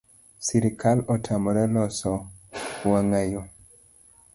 Sirikal otamore loso wang’ayo